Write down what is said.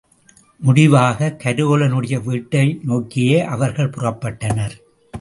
முடிவாகக் கரோலனுடைய வீட்டை நோக்கியே அவர்கள் புறப்பட்டனர்.